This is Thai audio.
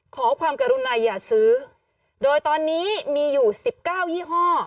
ขอความกรุณาอย่าซื้อโดยตอนนี้มีอยู่๑๙ยี่ห้อ